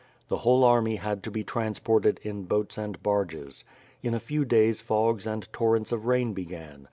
The whole army had to be transported in boats and barges. In a few dayg fogs and torrents of rain began.